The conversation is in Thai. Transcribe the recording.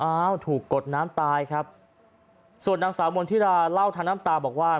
อ้าวถูกกดน้ำตายครับส่วนนางสาวมณฑิราเล่าทางน้ำตาบอกว่า